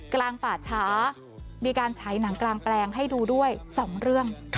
กลางป่าช้ามีการฉายหนังกลางแปลงให้ดูด้วย๒เรื่อง